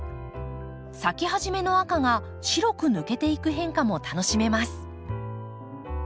咲き始めの赤が白く抜けていく変化も楽しめます。